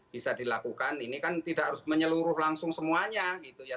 bisa dilakukan ini kan tidak harus menyeluruh langsung semuanya gitu ya